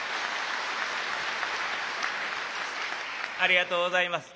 ありがとうございます。